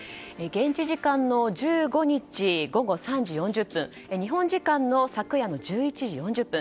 現地時間の１５日午後３時４０分日本時間の昨夜の１１時４０分